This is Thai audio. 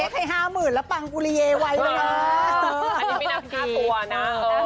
พี่จักรเลื่อนเยา